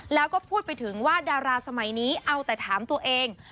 แล้วก็พูดไปถึงว่าดาราสมัยนี้เอาแต่ถามตัวเอง